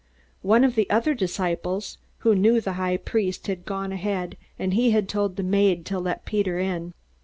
One of the other disciples, who knew the high priest, had gone ahead, and he had told the maid to let Peter in.